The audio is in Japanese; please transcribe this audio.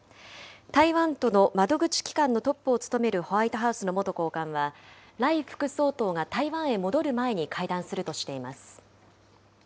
台湾との窓口機関のトップを務めるホワイトハウスの元高官は、頼副総統が台湾へ戻る前に会談するとしています。